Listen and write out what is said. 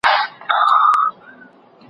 هم قاري سو هم یې ټول قرآن په یاد کړ